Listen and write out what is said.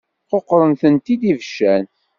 Quqṛen-tent-id ibeccan.